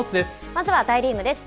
まずは大リーグです。